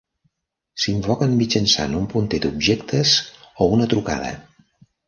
S'invoquen mitjançant un punter d'objectes o una trucada.